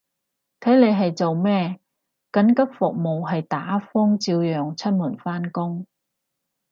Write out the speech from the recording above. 睇你係做咩，緊急服務係打風照要出門返工